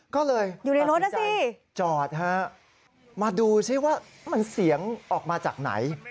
ก็เลยจอดฮะมาดูสิว่ามันเสียงออกมาจากไหน